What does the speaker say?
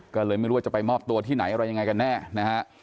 ก็เลยไม่รู้ว่าจะไปมอบตัวที่ไหนอะไรยังไงกันแน่นะฮะ